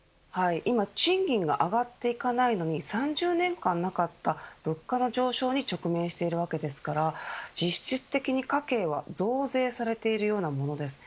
今賃金が上がっていかないのに３０年間なかった物価の上昇に直面しているわけですから実質的に家計は増税されているようなものです。